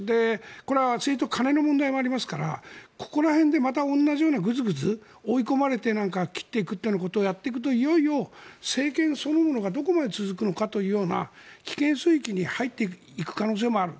これ、政治と金の問題がありますからここら辺でまた同じようにグズグズ追い込まれて切っていくということをやっていくといよいよ政権そのものがどこまで続くかという危険水域に入っていく可能性もある。